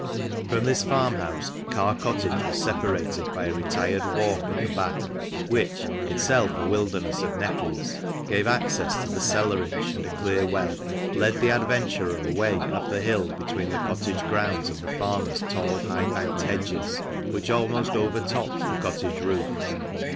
From this farmhouse Carr Cottage was separated by a retired walk at the back, which — itself a wilderness of nettles, gave access to the cellarage and a clear well — led the adventurer away up the hill between the cottage grounds and the farmer's tall high banked hedges, which almost overtopped the cottage roof.